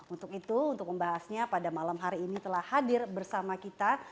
untuk itu untuk membahasnya pada malam hari ini telah hadir bersama kita